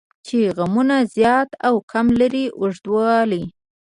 چې غمونه زیات او کم لري اوږدوالی.